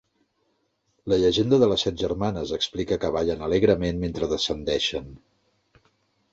La llegenda de les Set germanes explica que ballen alegrement mentre descendeixen.